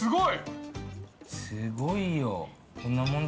すごいよ。